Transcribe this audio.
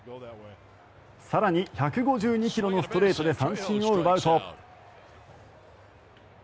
更に、１５２ｋｍのストレートで三振を奪うと。